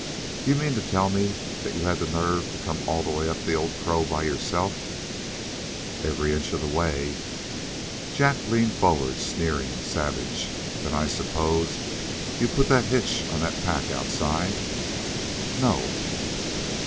"D'you mean to tell me that you had the nerve to come all the way up the Old Crow by yourself?" "Every inch of the way." Jack leaned forward, sneering, savage. "Then I suppose you put the hitch that's on that pack outside?" "No."